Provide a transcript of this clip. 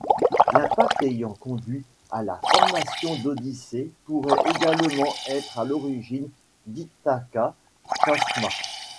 L'impact ayant conduit à la formation d'Odyssée pourrait également être à l'origine d'Ithaca Chasma.